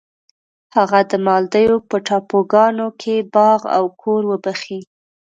هغه د مالدیو په ټاپوګانو کې باغ او کور وبخښی.